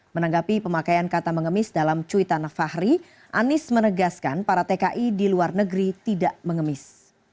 menanggapi pemakaian kata mengemis dalam cuitan fahri anies menegaskan para tki di luar negeri tidak mengemis